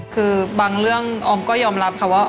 คือบางเรื่องออมก็ยอมรับค่ะว่า